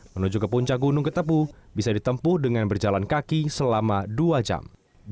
menuju ke puncak gunung ketepu bisa ditempuh dengan berjalan kaki selama dua jam